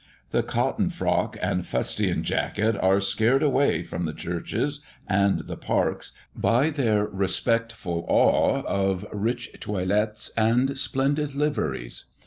The cotton frock and fustian jacket are scared away from the churches and the parks by their respectful awe of rich toilettes and splendid liveries.